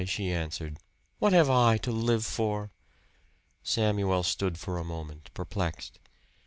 she answered. "What have I to live for?" Samuel stood for a moment, perplexed.